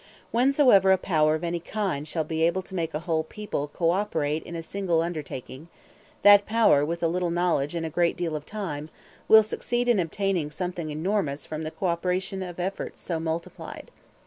Whensoever a power of any kind shall be able to make a whole people co operate in a single undertaking, that power, with a little knowledge and a great deal of time, will succeed in obtaining something enormous from the co operation of efforts so multiplied.